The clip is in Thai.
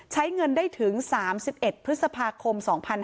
ใช้เงินได้ถึง๓๑พฤษภาคม๒๕๕๙